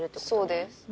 そうです。